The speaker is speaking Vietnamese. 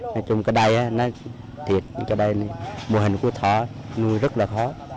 nói chung cái đây nó thiệt cái đây mô hình của thỏ nuôi rất là khó